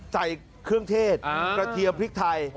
ใส่เครื่องเทศกระเทียมพริกไทย